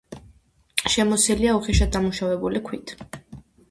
შემოსილია უხეშად დამუშავებული ქვით.